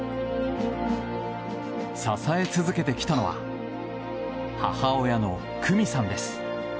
支え続けてきたのは母親の久美さんです。